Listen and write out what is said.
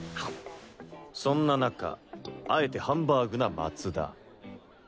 そんな中あえてハンバーグな松田。